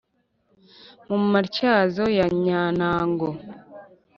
mu matyazo ya nyantango